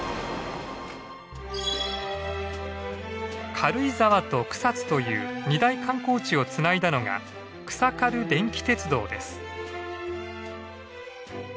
軽井沢と草津という二大観光地をつないだのが草軽電気鉄道です。